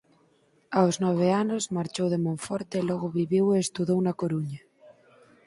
Aos nove anos marchou de Monforte e logo viviu e estudou na Coruña.